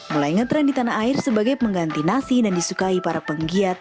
mulai ngetrend di tanah air sebagai pengganti nasi dan disukai para penggiat